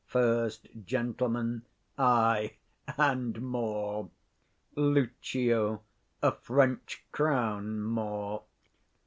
First Gent. Ay, and more. Lucio. A French crown more.